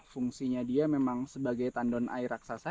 fungsinya dia memang sebagai tandon air raksasa